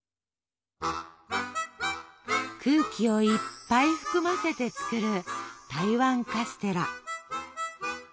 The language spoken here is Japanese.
空気をいっぱい含ませて作る台湾カステラ。